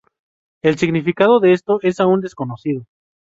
El significado de esto es aún desconocido.